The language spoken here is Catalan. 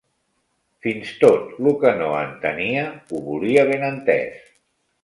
Fins tot lo que no entenia ho volia ben entès